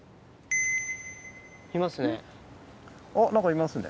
いますね。